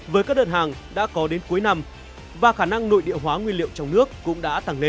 với các đợt hàng đã có đến cuối năm và khả năng nội địa hóa nguyên liệu trong nước cũng đã tăng lên